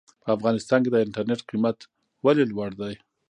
په افغانستان کې د انټرنېټ قيمت ولې لوړ دی ؟